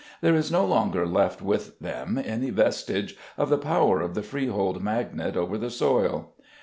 There is no longer left with them any vestige of the power of the freehold magnate over the soil.